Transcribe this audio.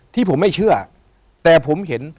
ที่ผมไม่เชื่อแต่ผมเห็น